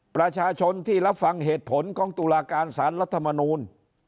ประชาชนที่รับฟังเหตุผลของตุลาการสารรัฐมนูล